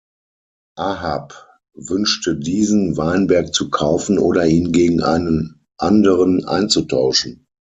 Ahab wünschte diesen Weinberg zu kaufen oder ihn gegen einen anderen einzutauschen.